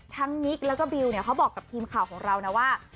นิกแล้วก็บิวเนี่ยเขาบอกกับทีมข่าวของเรานะว่า